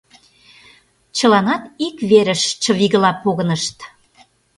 Чыланат ик верыш чывигыла погынышт.